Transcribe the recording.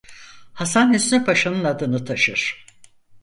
Hasan Hüsnü Paşa'nın adını taşır.